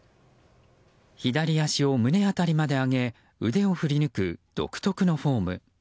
左足を胸辺りまで上げ腕を振り抜く独特のフォーム。